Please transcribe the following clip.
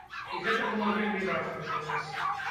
І гэта было вельмі важна для нас.